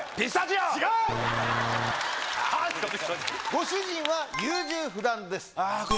ご主人は優柔不断です。